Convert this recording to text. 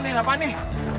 gak ada apaan nih